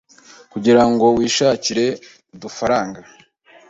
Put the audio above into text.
kugira ngo wishakire udufaranga